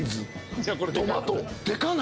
トマト。